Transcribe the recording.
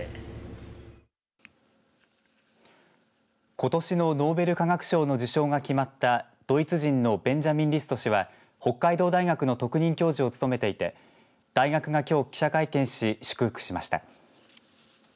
ことしのノーベル化学賞の受賞が決まったドイツ人のベンジャミン・リスト氏は北海道大学の特任教授を務めていて大学がきょう記者会見をし祝福しました。